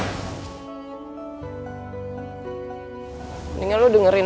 mendingan lo dengerin